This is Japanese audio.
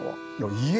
家？